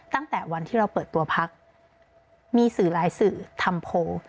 ตั้งแต่วันที่เราเปิดตัวพักมีสื่อหลายสื่อทำโพล